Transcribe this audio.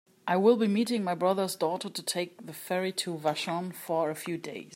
I will be meeting my brother's daughter to take the ferry to Vashon for a few days.